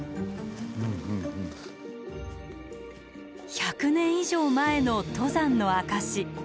１００年以上前の登山の証し。